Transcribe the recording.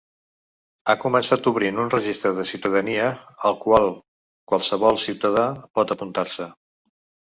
Ha començat obrint un registre de ciutadania, al qual qualsevol ciutadà pot apuntar-se.